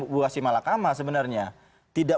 buah simalakama sebenarnya tidak